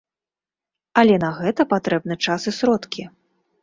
Але на гэта патрэбны час і сродкі.